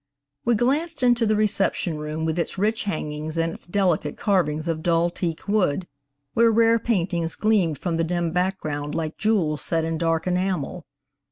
We glanced into the reception room with its rich hangings and its delicate carvings of dull teak wood; where rare paintings gleamed from the dim background like jewels set in dark enamel.